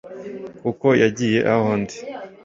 kuko yagiye aho ndi